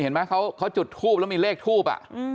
เห็นมั้ยเขาจุดทูปแล้วก็ไม่เลขทู้ป